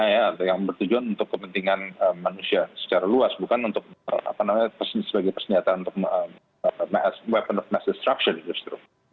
yang bertujuan untuk kepentingan manusia secara luas bukan sebagai persenjataan untuk weapons of mass destruction